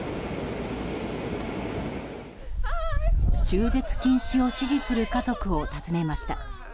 中絶禁止を支持する家族を訪ねました。